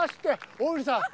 小栗さん